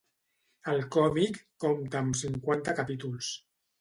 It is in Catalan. El còmic compta amb cinquanta capítols.